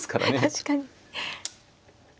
確かに。